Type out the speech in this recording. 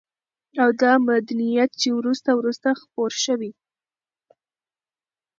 او دا مدنيت چې وروسته وروسته خپور شوى